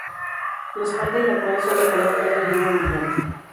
La espalda y la cola son de color verde olivo brillante.